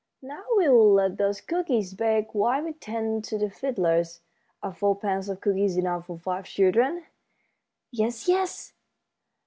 "Now we'll let those cookies bake while we 'tend to the fiddlers. Are four pans of cookies enough for five children?" "Yes, yes."